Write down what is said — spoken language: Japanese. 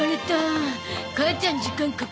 母ちゃん時間かかりすぎ。